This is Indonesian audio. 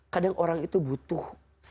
kadang orang itu butuh